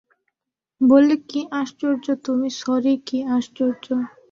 বললে, কী আশ্চর্য তুমি সরি, কী আশ্চর্য।